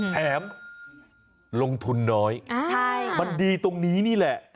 แถมลงทุนน้อยมันดีตรงนี้นี่แหละ